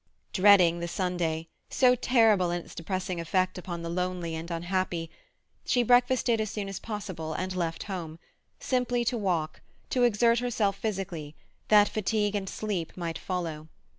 Dreading the Sunday, so terrible in its depressing effect upon the lonely and unhappy, she breakfasted as soon as possible, and left home—simply to walk, to exert herself physically, that fatigue and sleep might follow.